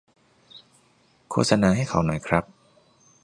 โฆษณาให้เขาหน่อยครับ